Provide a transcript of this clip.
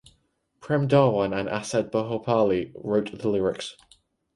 Prem Dhawan and Asad Bhopali wrote the lyrics.